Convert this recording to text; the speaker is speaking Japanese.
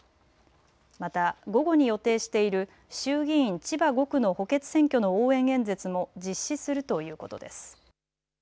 また午後に予定している衆議院千葉５区の補欠選挙の応援演説も実施するということです。